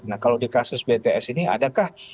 nah kalau di kasus bts ini adakah